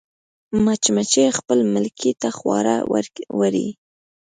مچمچۍ خپل ملکې ته خواړه وړي